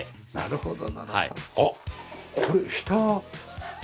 なるほど。